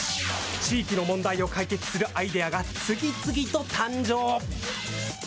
地域の問題を解決するアイデアが次々と誕生。